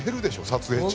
撮影中